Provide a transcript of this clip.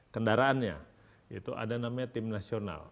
kendaraannya itu ada namanya tim nasional